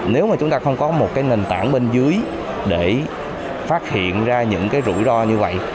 nếu mà chúng ta không có một cái nền tảng bên dưới để phát hiện ra những cái rủi ro như vậy